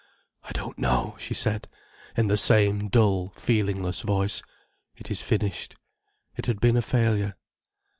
"I don't know," she said, in the same dull, feelingless voice. "It is finished. It had been a failure."